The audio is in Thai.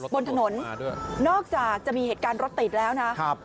บนถนนนอกจากจะมีเหตุการณ์รถติดแล้วนะครับ